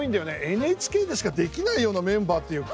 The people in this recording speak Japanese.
ＮＨＫでしかできないようなメンバーっていうか。